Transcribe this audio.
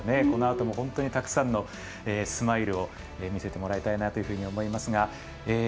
このあとも本当にたくさんのスマイルを見せてもらいたいなというふうに思いますが。